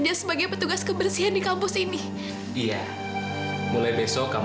ya udah belom langsung mungkin